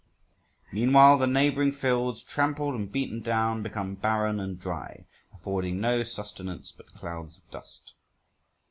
Meanwhile the neighbouring fields, trampled and beaten down, become barren and dry, affording no sustenance but clouds of dust.